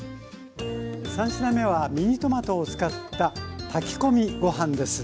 ３品目はミニトマトを使った炊き込みご飯です。